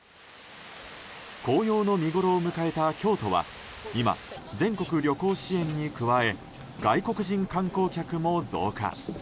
紅葉の見ごろを迎えた京都は今、全国旅行支援に加え外国人観光客も増加。